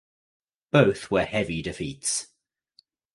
Both were heavy defeats.